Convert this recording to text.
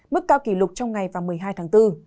mức cao kỷ lục trong ngày và một mươi hai tháng bốn